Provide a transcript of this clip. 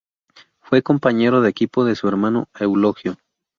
Fue compañero de equipo de su hermano Eulogio.